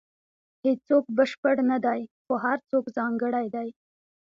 • هیڅوک بشپړ نه دی، خو هر څوک ځانګړی دی.